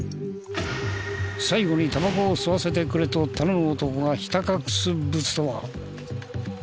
最後にタバコを吸わせてくれと頼む男がひた隠すブツとは？